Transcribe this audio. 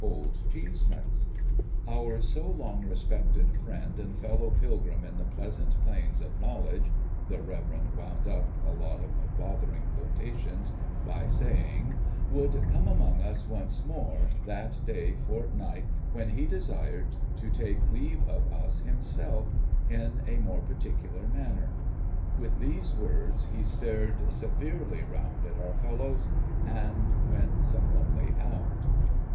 Old Cheeseman's ! Our so long respected friend and fellow pilgrim in the pleasant plains of knowledge, the Reverend wound up a lot of bothering quotations by saying, would ' come among us once more ' that dayfortnight, when he desired to take leave of us himself, in a more particular manner. With these words, he stared severely round at our fellows, and went solemnly out.